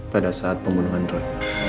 pada saat pembunuhan roy